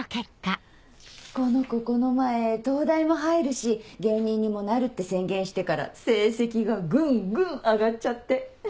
この子この前東大も入るし芸人にもなるって宣言してから成績がグングン上がっちゃって。